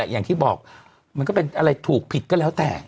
อย่างที่บอกมันก็เป็นอะไรถูกผิดก็แล้วแต่